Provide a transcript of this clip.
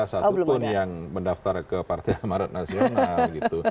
satu pun yang mendaftar ke partai amal nasional